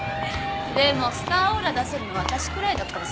でもスターオーラ出せるの私くらいだからさ。